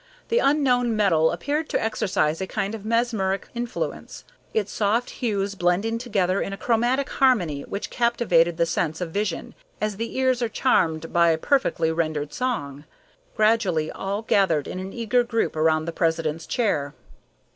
The unknown metal appeared to exercise a kind of mesmeric influence, its soft hues blending together in a chromatic harmony which captivated the sense of vision as the ears are charmed by a perfectly rendered song. Gradually all gathered in an eager group around the president's chair.